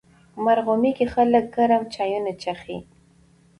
مرغومی کې خلک ګرم چایونه څښي.